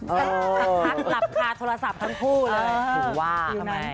สักพักหลับคาโทรศัพท์ทั้งคู่เลย